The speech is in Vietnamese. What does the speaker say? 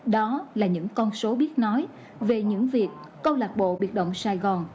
đó là những con số biết nói về những việc câu lạc bộ biệt động sài gòn